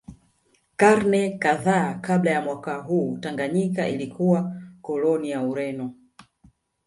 Karne kadhaa kabla ya mwaka huu Tanganyika ilikuwa koloni ya Ureno